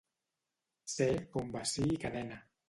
Ser com bací i cadena.